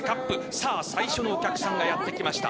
さあ、最初のお客さんがやってきました。